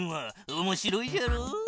おもしろいじゃろう？